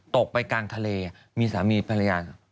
ตกไปกลางทะเลมีสามีภรรยา